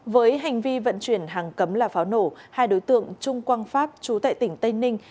với hành vi vận chuyển hàng cấm là pháo nổ hai đối tượng trung quang pháp chú tại tỉnh tây ninh